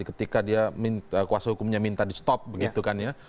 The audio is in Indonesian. ketika dia kuasa hukumnya minta di stop begitu kan ya